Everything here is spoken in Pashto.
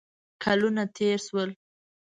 کلونه تېر شول.